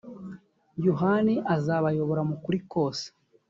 yohani azabayobora mu kuri kose